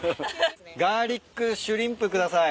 ガーリックシュリンプ下さい。